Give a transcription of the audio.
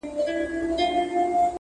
هغه ورځ دي د وفا سترګي ور واوړي.!